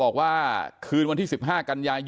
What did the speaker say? ก็ได้รู้สึกว่ามันกลายเป้าหมาย